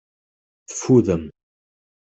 Teffudem.